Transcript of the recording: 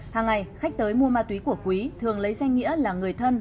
hàng ngày khách tới mua ma túy của quý thường lấy danh nghĩa là người thân